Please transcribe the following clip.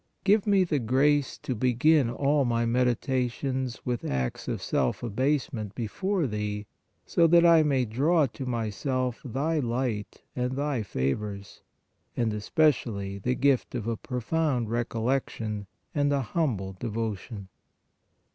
Give me the grace to begin all my meditations with acts of self abasement before Thee, so that I may draw to myself Thy light and JESUS PRAYING 183 Thy favors, and especially the gift of a profound recollection and an humble devotion.